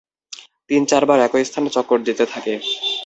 তিন-চার বার একই স্থানে চক্কর দিতে থাকে।